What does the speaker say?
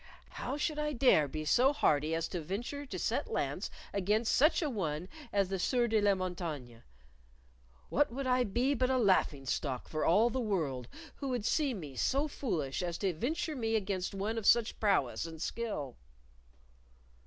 How should I dare be so hardy as to venture to set lance against such an one as the Sieur de la Montaigne? What would I be but a laughing stock for all the world who would see me so foolish as to venture me against one of such prowess and skill?"